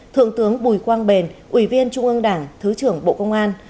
thượng tướng bùi quang bền ủy viên trung ương đảng thứ trưởng bộ công an